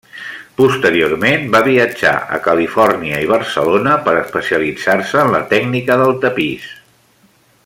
Posteriorment va viatjar a Califòrnia i Barcelona per especialitzar-se en la tècnica del tapís.